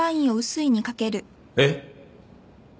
えっ？